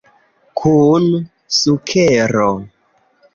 Kun sukero.